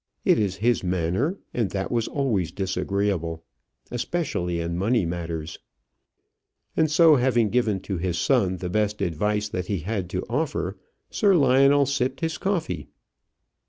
It is his manner, and that was always disagreeable; especially in money matters." And so having given to his son the best advice he had to offer, Sir Lionel sipped his coffee.